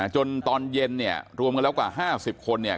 ตอนเย็นเนี่ยรวมกันแล้วกว่า๕๐คนเนี่ย